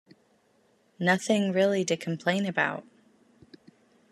Nothing really to complain about.